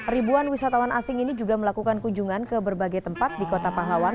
ribuan wisatawan asing ini juga melakukan kunjungan ke berbagai tempat di kota pahlawan